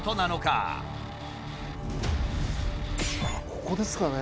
ここですかね。